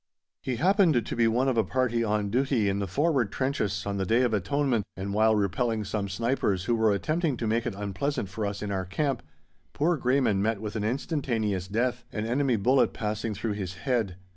He happened to be one of a party on duty in the forward trenches on the Day of Atonement, and while repelling some snipers who were attempting to make it unpleasant for us in our camp, poor Greyman met with an instantaneous death, an enemy bullet passing through his head.